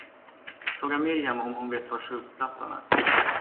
Fråga Miriam om hon vet var surfplattan är.